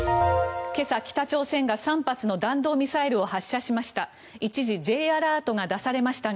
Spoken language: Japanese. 今朝、北朝鮮が３発の弾道ミサイルを発射しました。